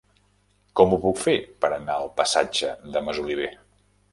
Com ho puc fer per anar al passatge de Masoliver?